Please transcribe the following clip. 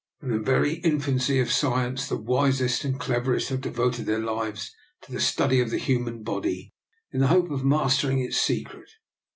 From the very infancy of science, the wisest and cleverest have devoted their lives to the study of the human body, in the hope of mastering its secret.